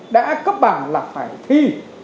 đã cấp bằng là phải thi